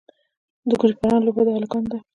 د ګوډي پران لوبه د هلکانو ده.